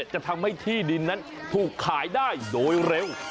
จะทำให้ที่ดินนั้นถูกขายได้โดยเร็ว